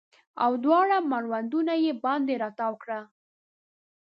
او دواړه مړوندونه یې باندې راتاو کړه